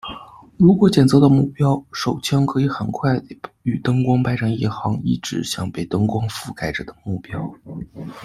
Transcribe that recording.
如果检测到目标，手枪可以很快地与灯光排成一行以指向被灯光覆盖着的目标。